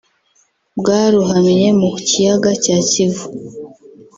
bwarohamye mu Kiyaga cya Kivu